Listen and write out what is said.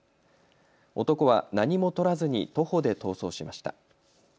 男は何もとらずに徒歩で逃走しました。